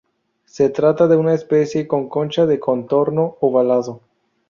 Se trata de una especie con concha de contorno ovalado.